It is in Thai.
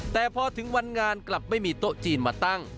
แต่พอถึงวันงานกลับไม่มีโต๊ะจีนมาตั้ง